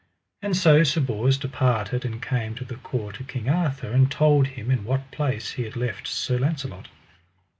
And so Sir Bors departed and came to the court of King Arthur, and told them in what place he had left Sir Launcelot.